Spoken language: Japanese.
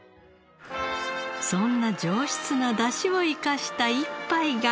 そんな上質なダシを生かした一杯が。